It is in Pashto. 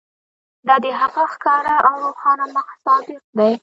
دا د هغه ښکاره او روښانه مصداق دی.